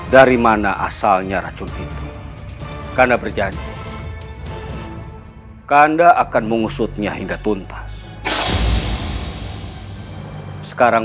dari mana asalnya racun itu karena berjanji karena akan mengusutnya hingga tuntas sekarang